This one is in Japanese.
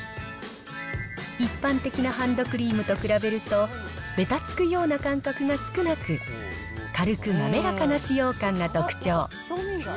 一般的なハンドクリームと比べると、べたつくような感覚が少なく、軽く滑らかな使用感が特徴。